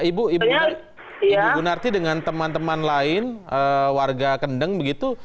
ibu ibu gunarti dengan teman teman lain warga kendeng begitu